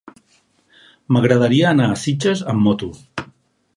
M'agradaria anar a Sitges amb moto.